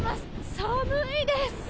寒いです。